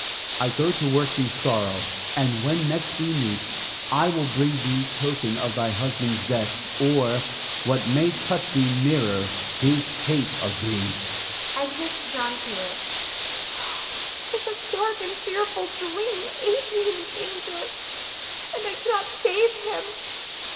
I go to work thee sorrow; and when next we meet I will bring thee token of thy husband's death or, what may touch thee nearer, his hate of thee. [Exit Don Felix. Nina. 'Tis a dark and fearful dream, Adrian in danger, and I cannot save him.